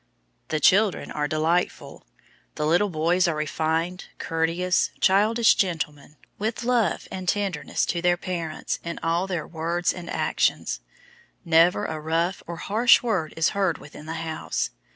The children are delightful. The little boys are refined, courteous, childish gentlemen, with love and tenderness to their parents in all their words and actions. Never a rough or harsh word is heard within the house.